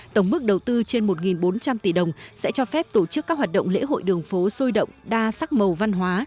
tổng mức đầu tư trên một bốn trăm linh tỷ đồng sẽ cho phép tổ chức các hoạt động lễ hội đường phố sôi động đa sắc màu văn hóa